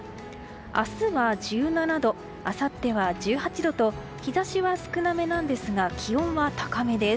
明日は１７度あさっては１８度と日差しは少なめなんですが気温は高めです。